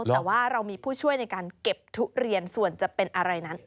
แต่ว่าเรามีผู้ช่วยในการเก็บทุเรียนส่วนจะเป็นอะไรนั้น